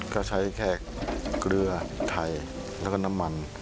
ก็ใช้แค่เกลือไทยแล้วก็น้ำมัน